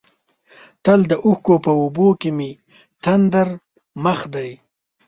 تل د اوښکو په اوبو کې مې تندر مخ دی.